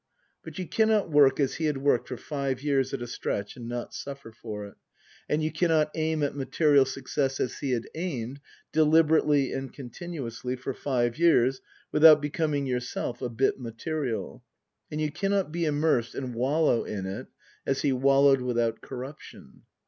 But you cannot work as he had worked for five years at a stretch and not suffer for it. And you cannot aim at material success as he had aimed, deliberately and continuously, for five years without becoming yourself a bit material. And you cannot be immersed and wallow in it as he wallowed without corruption.